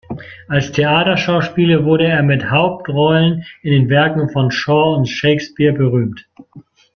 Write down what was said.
Als Theaterschauspieler wurde er mit Hauptrollen in den Werken von Shaw und Shakespeare berühmt.